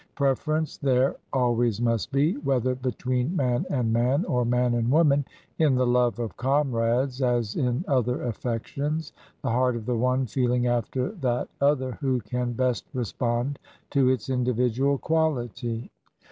Preference there always must be — whether between man and man or man and woman — in the " love of comrades" as in other affections, the heart of the one feeling after that other who can best respond to its individual qualify.